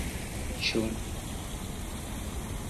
ĉu